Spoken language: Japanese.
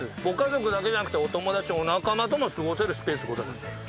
ご家族だけじゃなくてお友達お仲間とも過ごせるスペースございます。